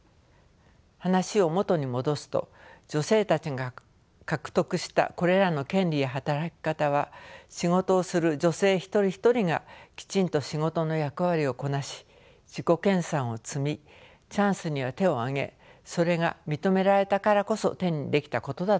話を元に戻すと女性たちが獲得したこれらの権利や働き方は仕事をする女性一人一人がきちんと仕事の役割をこなし自己研さんを積みチャンスには手を挙げそれが認められたからこそ手にできたことだと思います。